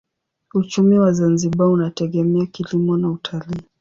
Uchumi wa Zanzibar unategemea kilimo na utalii.